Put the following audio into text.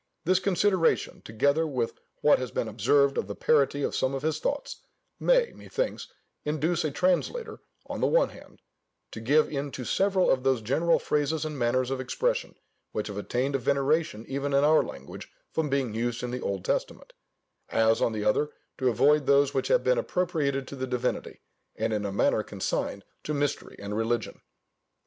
This consideration (together with what has been observed of the parity of some of his thoughts) may, methinks, induce a translator, on the one hand, to give in to several of those general phrases and manners of expression, which have attained a veneration even in our language from being used in the Old Testament; as, on the other, to avoid those which have been appropriated to the Divinity, and in a manner consigned to mystery and religion.